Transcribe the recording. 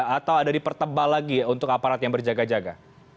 atau ada dipertebal lagi untuk aparat yang berjaga jaga